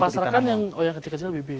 yang pasarkan yang oh yang kecil kecil bibit